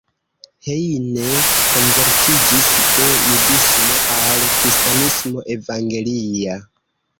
Heine konvertiĝis de judismo al kristanismo evangelia.